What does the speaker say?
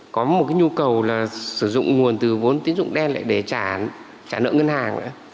có một cái nhu cầu là sử dụng nguồn từ vốn tín dụng đen lại để trả nợ ngân hàng nữa